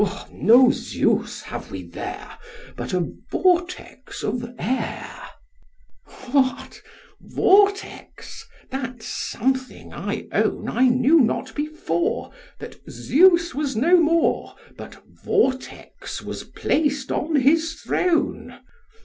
SOCR. No Zeus have we there, but a vortex of air. STREPS. What! Vortex? that's something I own. I knew not before, that Zeus was no more, but Vortex was placed on his throne!